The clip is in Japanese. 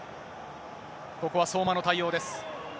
ここは相馬の対応です。